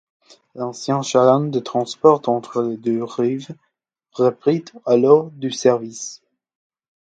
L'ancien chaland de transport entre les deux rives reprit alors du service.